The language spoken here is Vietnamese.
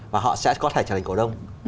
và họ sẽ có thể trở thành cổ đông